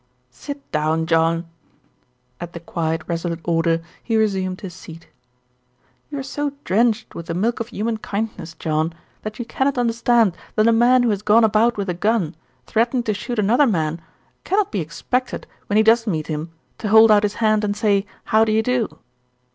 "Sit down, John." At the quiet resolute order he resumed his seat. "You are so drenched with the milk of human kind ness, John, that you cannot understand that a man who has gone about with a gun, threatening to shoot another man, cannot be expected when he does meet him to hold out his hand and say, 'How do you do.'